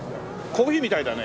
コーヒーみたいだね。